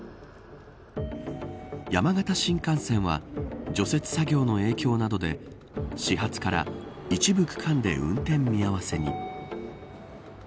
山形新幹線は除雪作業の影響などで始発から一部区間で運転見合わせに。